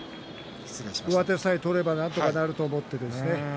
上手さえ取ればなんとかなると思ってですね。